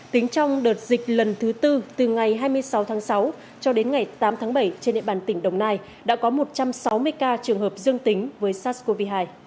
tính trong đợt dịch lần thứ tư từ ngày hai mươi sáu tháng sáu cho đến ngày tám tháng bảy trên địa bàn tỉnh đồng nai đã có một trăm sáu mươi ca trường hợp dương tính với sars cov hai